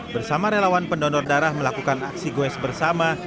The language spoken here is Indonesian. bersama relawan pendonor darah melakukan aksi goes bersama